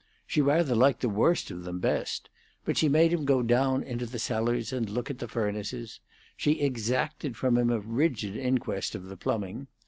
She rather liked the worst of them best: but she made him go down into the cellars and look at the furnaces; she exacted from him a rigid inquest of the plumbing.